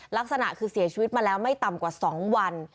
ลักษณะคือเสียชีวิตมาแล้วไม่ต่ำกว่า๒วัน